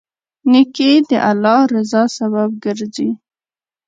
نیکي د الله رضا سبب ګرځي.